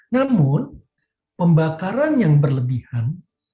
namun pembakaran yang berlebihan